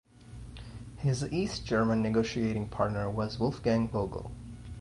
His East German negotiating partner was Wolfgang Vogel.